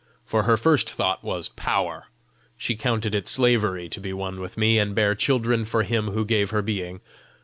For her first thought was POWER; she counted it slavery to be one with me, and bear children for Him who gave her being.